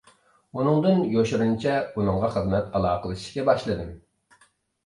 ئۇنىڭدىن يوشۇرۇنچە ئۇنىڭغا خىزمەت ئالاقىلىشىشكە باشلىدىم.